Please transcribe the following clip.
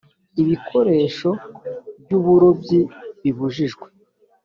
ibikoresho by uburobyi bibujijwe